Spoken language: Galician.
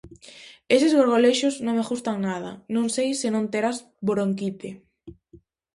Eses gorgolexos non me gustan nada, non sei se non terás bronquite.